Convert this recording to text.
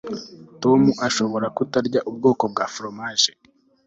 tom ashobora kutarya ubwoko bwa foromaje